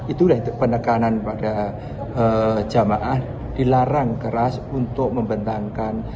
itulah penekanan pada jamaah dilarang keras untuk membentangkan